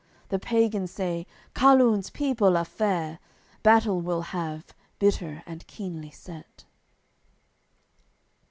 The pagans say: "Carlun's people are fair. Battle we'll have, bitter and keenly set."